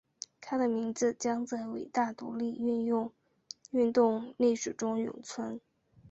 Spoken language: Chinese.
他的名字将在伟大独立运动历史中永存。